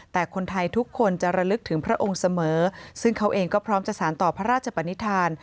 แต่คนไทยทุกคนจะระลึกถึงพระองค์เสมอซึ่งเขาเองก็พร้อมจะสารต่อพระราชปนิษฐาน